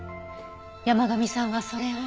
山神さんはそれを。